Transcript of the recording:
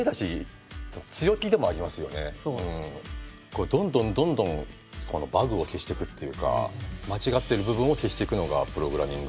こうどんどんどんどんこのバグを消していくっていうか間違ってる部分を消していくのがプログラミングで。